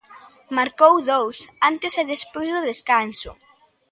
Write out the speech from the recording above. Marcou dous, antes e despois do descanso.